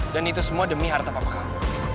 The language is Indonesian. dan itu semua demi harta papa kamu